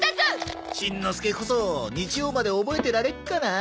しんのすけこそ日曜まで覚えてられっかな？